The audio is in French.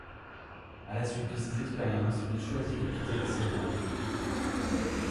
À la suite de ces expériences, il choisit de quitter la scène rock.